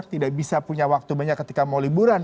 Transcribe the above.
tidak bisa punya waktu banyak ketika mau liburan